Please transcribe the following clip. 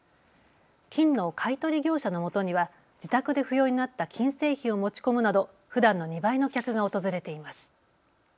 金の買い取り業者のもとには自宅で不要になった金製品を持ち込むなどふだんの２倍の客が訪れています。